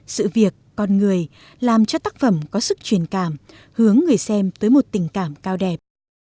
sự việc con người làm cho tác phẩm có sức truyền cảm hướng người xem tới một tình cảm cao đẹp